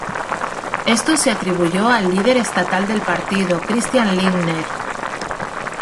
Esto se atribuyó al líder estatal del partido, Christian Lindner.